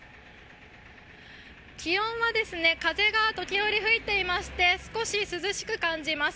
気温は風が時折吹いていまして、少し涼しく感じます。